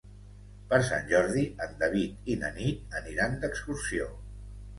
Per Sant Jordi en David i na Nit aniran d'excursió.